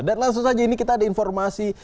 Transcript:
dan langsung saja ini kita ada informasi